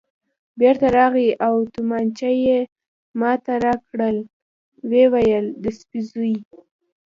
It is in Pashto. بېرته راغلی او تومانچه یې ما ته راکړل، ویې ویل: د سپي زوی.